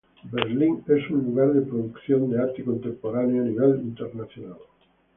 Berlín es un lugar de producción de arte contemporáneo a nivel internacional.